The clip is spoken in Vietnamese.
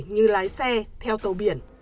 như lái xe theo tàu biển